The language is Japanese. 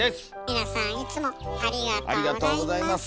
皆さんいつもありがとうございます。